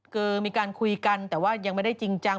คือมีการคุยกันแต่ว่ายังไม่ได้จริงจัง